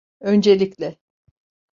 Öncelikle…